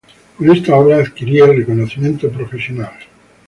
Con esta obra adquiriría el reconocimiento profesional.